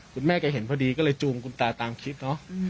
คุณแม่แกเห็นพอดีก็เลยจูงคุณตาตามคิดเนอะ